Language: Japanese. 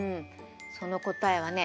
その答えはね